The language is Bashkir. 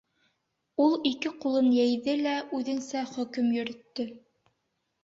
Ул ике ҡулын йәйҙе лә үҙенсә хөкөм йөрөттө: